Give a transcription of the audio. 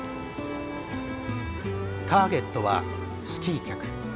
ターゲットはスキー客。